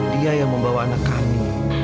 dia yang membawa anak kami